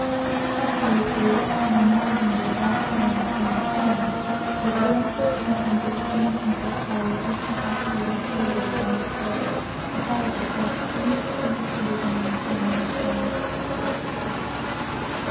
His compatriots I imagined were about planning the same thing, but a peremptory command to abstain from such folly, issued after they had received their advance pay, sufficed to check any sinister designs they may have formed.